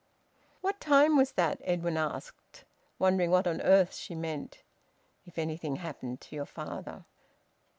"What time was that?" Edwin asked, wondering what on earth she meant "if anything happened to your father!"